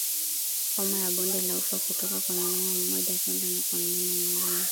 Homa ya bonde la ufa hutoka kwa mnyama mmoja kwenda kwa mnyama mwingine